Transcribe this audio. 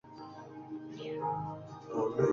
Está comercializado por la compañía italiana Alessi.